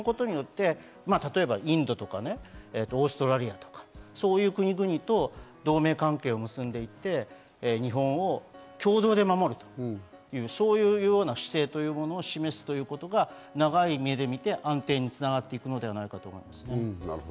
そうすることによって、例えばインドとか、オーストラリアとかそういう国々と同盟関係を結んで行って日本を共同で守るという、そういうような姿勢というものを示すということが長い目で見て安定に繋がっていくのではないかと思います。